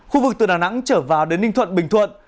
khu vực từ đà nẵng trở vào đến ninh thuận bình thuận